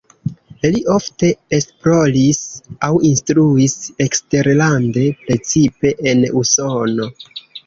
Li ofte esploris aŭ instruis eksterlande, precipe en Usono.